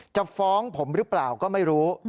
จะฟ้องผมหรือเปล่าก็ไม่รู้